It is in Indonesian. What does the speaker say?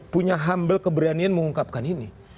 punya humble keberanian mengungkapkan ini